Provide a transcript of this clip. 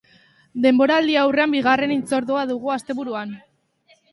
Denboraldi-aurrearen bigarren hitzordua dugu asteburuan.